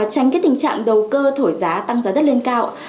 tránh cái tình trạng đầu cơ thổi giá tăng giá đất lên cao